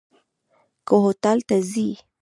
که هوټل ته ځي.